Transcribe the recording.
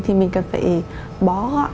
thì mình cần phải bó gọn